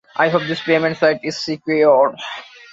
I hope this payment site is secure.